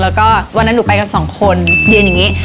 แล้วก็วันนั้นหนูไปกันสองคนเรียนอย่างนี้